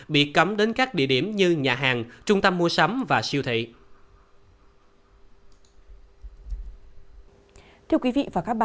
bị cấm đến các địa điểm như nhà hàng trung tâm mua sắm và siêu thị